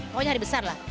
pokoknya hari besar lah